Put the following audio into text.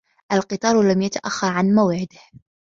الْقِطَارُ لَمْ يَتَأَخَّرْ عَنْ مَوْعِدِهِ.